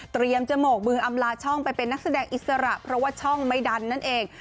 จมกมืออำลาช่องไปเป็นนักแสดงอิสระเพราะว่าช่องไม่ดันนั่นเอง